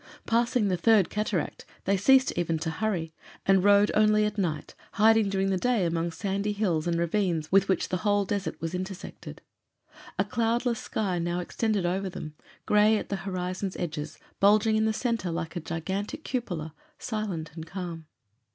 Passing the Third Cataract, they ceased even to hurry, and rode only at night, hiding during the day among sandy hills and ravines with which the whole desert was intersected. A cloudless sky now extended over them, gray at the horizon's edges, bulging in the center like a gigantic cupola, silent and calm.